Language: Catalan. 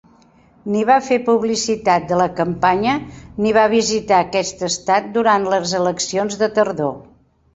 Ni va fer publicitat de la campanya ni va visitar aquest estat durant les eleccions de tardor.